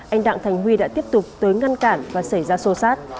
anh đặng thành huy đã tiếp tục tới ngăn cản và xảy ra sô sát